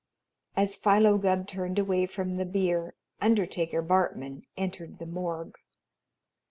As Philo Gubb turned away from the bier, Undertaker Bartman entered the morgue.